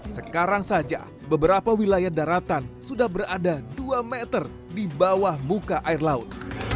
sekarang saja beberapa wilayah daratan sudah berada dua meter di bawah muka air laut